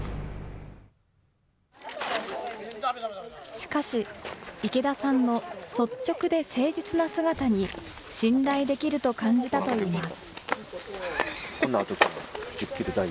しかし、池田さんの率直で誠実な姿に、信頼できると感じたといいます。